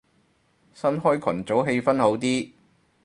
開新群組氣氛好啲